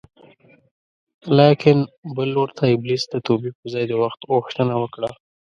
لاکن بل لور ته ابلیس د توبې په ځای د وخت غوښتنه وکړه